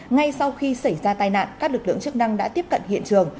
ngay sau khi xảy ra tai nạn các lực lượng chức năng đã tiếp cận hiện trường